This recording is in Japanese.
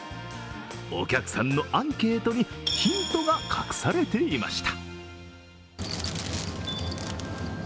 お客さんのアンケートにヒントが隠されていました。